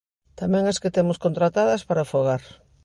Tamén as que temos contratadas para o fogar.